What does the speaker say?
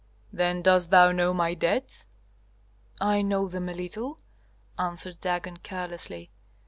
"Then dost thou know my debts?" "I know them a little," answered Dagon, carelessly.